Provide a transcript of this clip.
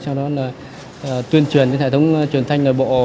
cho nó tuyên truyền đến hệ thống truyền thanh người bộ